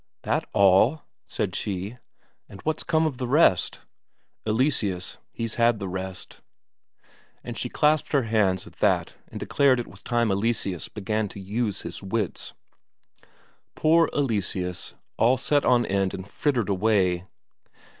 "That's all?" said she. "And what's come of the rest?" "Eleseus, he's had the rest." And she clasped her hands at that and declared it was time Eleseus began to use his wits. Poor Eleseus, all set on end and frittered away.